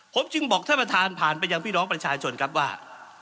ผมจึงบอกท่านประธานผ่านไปยังพี่น้องประชาชนครับว่า